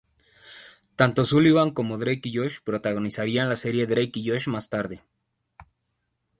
Tanto Sullivan, como Drake y Josh protagonizarían la serie Drake y Josh más tarde.